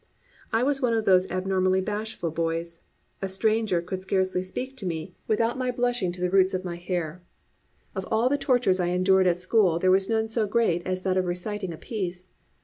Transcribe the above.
I was one of these abnormally bashful boys. A stranger could scarcely speak to me without my blushing to the roots of my hair. Of all the tortures I endured at school there was none so great as that of reciting a piece.